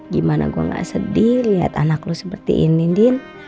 gimana gua gak sedih liat anak lu seperti ini din